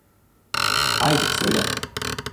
Haydi söyle.